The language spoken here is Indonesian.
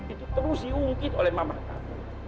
itu terus diungkit oleh mama kami